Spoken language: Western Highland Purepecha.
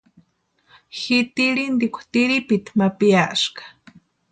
Ji tirhintikwa tiripiti ma piaaska.